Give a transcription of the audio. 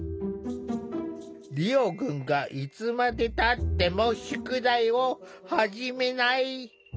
リオくんがいつまでたっても宿題を始めない。